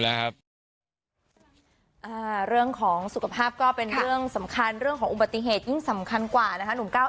และเพราะว่ายายก็ป่วยอยู่ด้วยครับ